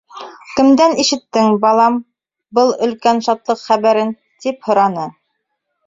— Кемдән ишеттең, балам, был өлкән шатлыҡ хәбәрен? — тип һораны.